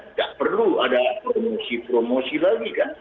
tidak perlu ada promosi promosi lagi kan